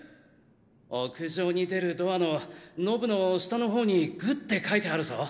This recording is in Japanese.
屋上に出るドアのノブの下の方に「ぐ」って書いてあるぞ！